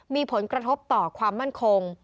มีผลกระทบต่อความมั่นคง